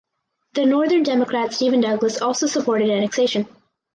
The northern Democrat Stephen Douglas also supported annexation.